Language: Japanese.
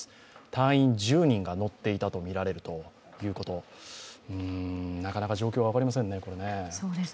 隊員１０名が乗っていたとみられるということ、なかなか状況は分かりませんね。